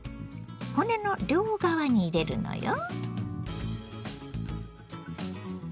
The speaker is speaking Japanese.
骨の両側に入れるのよ。